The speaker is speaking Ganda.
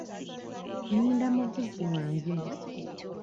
Ninda muvuzi wange.